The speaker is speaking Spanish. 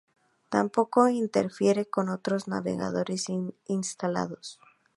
Tampoco interfiere con otros navegadores instalados.